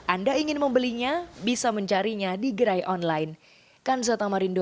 anda ingin membelinya bisa mencarinya di gerai online